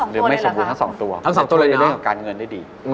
หรือไม่สมบูรณ์ทั้ง๒ตัวจะช่วยเลขการเงินได้ดี